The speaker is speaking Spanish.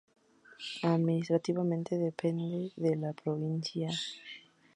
Administrativamente depende de la Provincia de Inhambane al sur de ese país africano.